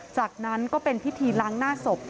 จากนั้นก็เป็นพิธีล้างหน้าศพ